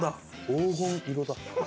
黄金色だ。